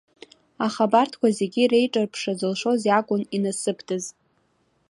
Аха абарҭқәа зегьы реиҿарԥшра зылшоз иакәын инасыԥдаз.